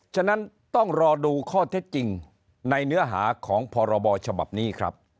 ฉะนั้นต้องรอดูข้อเท็จจริงในเนื้อหาของพรบฉบับนี้ครับ